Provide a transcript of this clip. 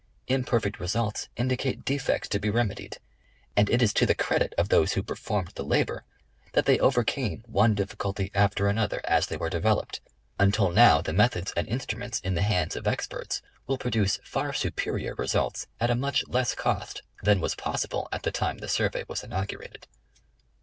Imperfect results indicate defects to be remedied, and it is to the credit of those who performed the labor, that they overcame one difficulty after another as they were developed, until now the methods and 72 National Geographic Magazine. instruments in the hands of experts, will produce far superior re sults at a much less cost than was possible at the time the Survey was inaugurated.